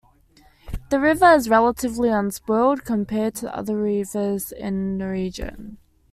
The river is relatively unspoiled compared to other rivers in the region.